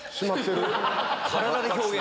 体で表現！